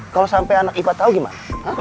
kalau sampai anak ipa tahu gimana